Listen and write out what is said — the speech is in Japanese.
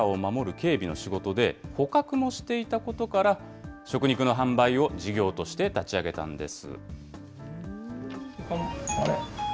警備の仕事で、捕獲もしていたことから、食肉の販売を事業として立ち上げたんです。